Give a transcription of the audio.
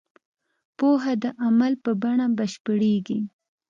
پوهه د عمل په بڼه بشپړېږي.